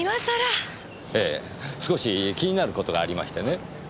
ええ少し気になることがありましてね。